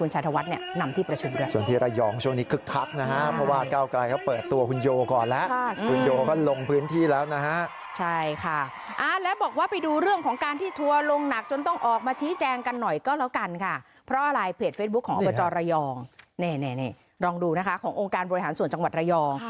ของโรงการบริหารส่วนจังหวัดละยอง